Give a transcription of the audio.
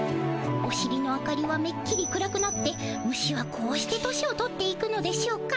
おしりの明かりはめっきり暗くなって虫はこうしてとしを取っていくのでしょうか。